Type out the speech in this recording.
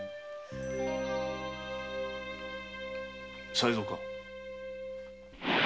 才三か？